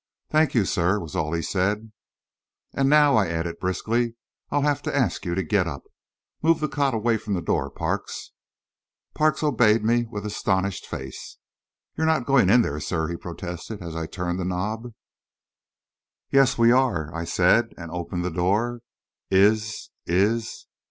"Thank you, sir," was all he said. "And now," I added, briskly, "I'll have to ask you to get up. Move the cot away from the door, Parks." Parks obeyed me with astonished face. "You're not going in there, sir!" he protested, as I turned the knob. "Yes, we are," I said, and opened the door. "Is is...."